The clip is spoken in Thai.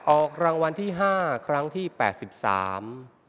ออกรางวัลที่ห้าครั้งที่แปดสิบสาม